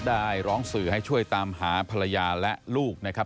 ได้ร้องสื่อให้ช่วยตามหาภรรยาและลูกนะครับ